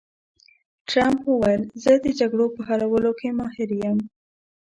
ټرمپ وویل، زه د جګړو په حلولو کې ماهر یم.